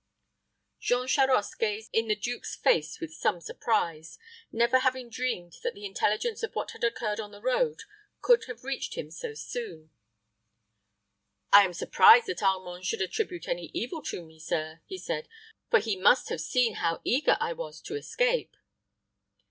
Jean Charost gazed in the duke's race with some surprise, never having dreamed that the intelligence of what had occurred on the road could have reached him so soon. "I am surprised that Armand should attribute any evil to me, sir," he said; "for he must have seen how eager I was to escape."